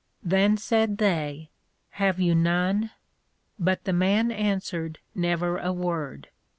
Then said they, Have you none? But the man answered never a word.